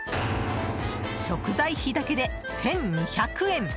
食材費だけで１２００円。